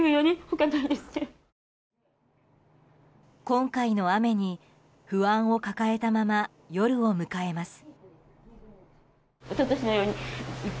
今回の雨に不安を抱えたまま夜を迎えます。